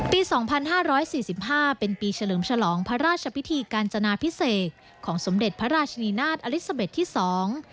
สองพันห้าร้อยสี่สิบห้าเป็นปีเฉลิมฉลองพระราชพิธีกาญจนาพิเศษของสมเด็จพระราชนีนาฏอลิซาเบ็ดที่สอง